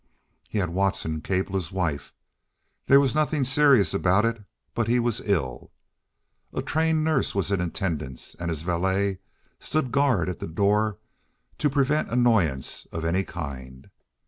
He had Watson cable his wife—there was nothing serious about it, but he was ill. A trained nurse was in attendance and his valet stood guard at the door to prevent annoyance of any kind.